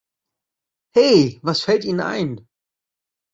Hey, was fällt Ihnen ein?